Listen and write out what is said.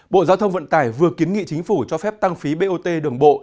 bộ giao thông vận tải vừa kiến nghị chính phủ cho phép tăng phí bot đường bộ